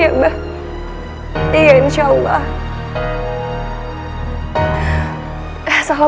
jadi kalau dia nangis dia akan berusaha